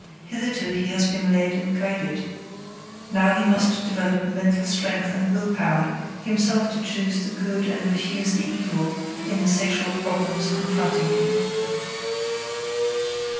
Hitherto he has been led and guided. Now he must develop mental strength and will power himself to choose the good and refuse the evil in the sexual problems confronting him.